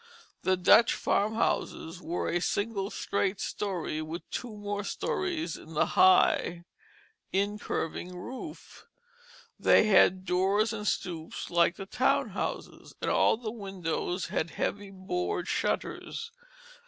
The Dutch farmhouses were a single straight story, with two more stories in the high, in curving roof. They had doors and stoops like the town houses, and all the windows had heavy board shutters.